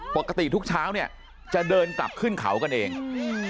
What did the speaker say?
ปกติทุกเช้าเนี่ยจะเดินกลับขึ้นเขากันเอง